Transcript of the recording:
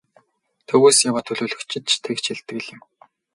Төвөөс яваа төлөөлөгчид ч тэгж хэлдэг л юм.